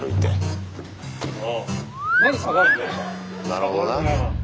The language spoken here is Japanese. なるほどな。